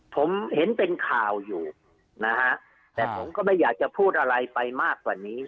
ผมเห็นเป็นข่าวอยู่นะฮะแต่ผมก็ไม่อยากจะพูดอะไรไปมากกว่านี้